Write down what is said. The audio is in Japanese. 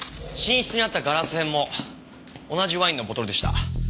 寝室にあったガラス片も同じワインのボトルでした。